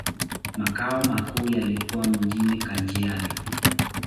Makao makuu yalikuwa mjini Kajiado.